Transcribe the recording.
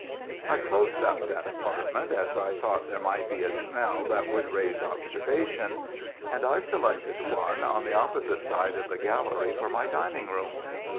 "'I closed up that apartment, as I thought there might be a smell that would raise observation, and I selected one on the opposite side of the gallery for my dining room.